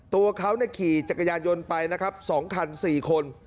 ตัวเขาขี่จักรยานยนต์ไปนะครับ๒คัน๔คน